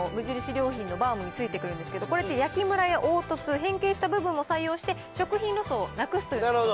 良品のバウムについてくるんですけど、これって焼きむらや凹凸、変形した部分も採用して、食品ロスをなくすという。